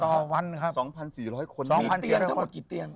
๒๔๐๐คนมีเตียงทั้งหมดกี่เตียง